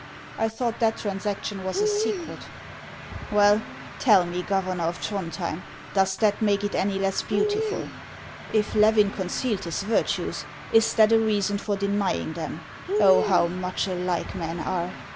" I thought that transaction was a secret." HANS OF ICELAND. 267 " Well, tell me, Governor of Throndhjem, does that make it any less beautiful ? If Levin concealed his virtues, is that a reason for denying them ? Oh, how much alike men are